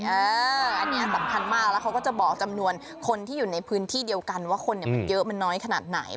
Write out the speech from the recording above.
อันนี้สำคัญมากแล้วเขาก็จะบอกจำนวนคนที่อยู่ในพื้นที่เดียวกันว่าคนมันเยอะมันน้อยขนาดไหน